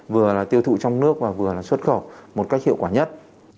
vừa là tiêu thụ trong nước và vừa là xuất khẩu một cách hiệu quả nhất